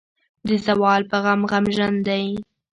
د زوال پۀ غم غمژن دے ۔